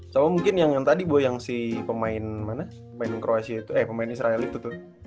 so mungkin yang tadi boyang si pemain mana pemain croatia itu eh pemain israel itu tuh